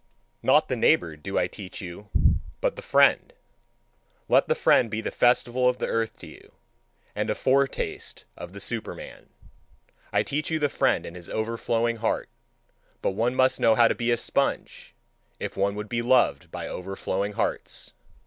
Not the neighbour do I teach you, but the friend. Let the friend be the festival of the earth to you, and a foretaste of the Superman. I teach you the friend and his overflowing heart. But one must know how to be a sponge, if one would be loved by overflowing hearts.